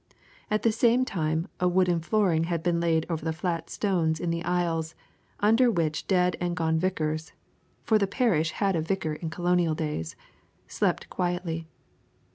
At the same time, a wooden flooring had been laid over the flat stones in the aisles, under which dead and gone vicars for the parish had a vicar in colonial days slept quietly.